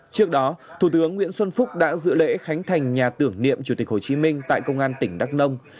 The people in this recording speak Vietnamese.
trước đó thủ tướng nguyễn xuân phúc đã dự lễ khánh thành nhà tưởng niệm chủ tịch hồ chí minh tại công an tỉnh đắk nông